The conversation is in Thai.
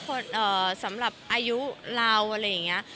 ก็บอกว่าเซอร์ไพรส์ไปค่ะ